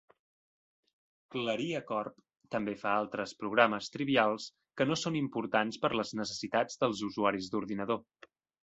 Claria Corp. també fa altres programes trivials que no són importants per les necessitats dels usuaris d'ordinador.